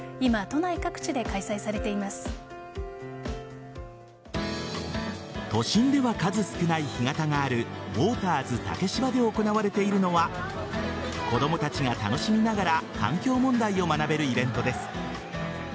都心では数少ない干潟があるウォーターズ竹芝で行われているのは子供たちが楽しみながら環境問題を学べるイベントです。